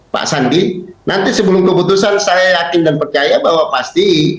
pak sandi nanti sebelum keputusan saya yakin dan percaya bahwa pasti